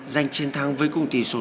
giành chiến thắng với cùng tỷ số sáu một